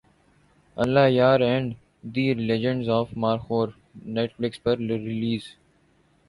اللہ یار and the legend of Markhor Netflix پر release